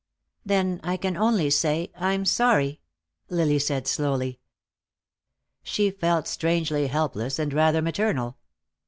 "Then I can only say I'm sorry," Lily said slowly. She felt strangely helpless and rather maternal.